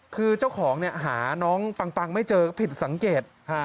คือเจ้าของเนี่ยหาน้องปังไม่เจอผิดสังเกต